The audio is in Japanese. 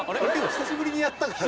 久しぶりにやったから。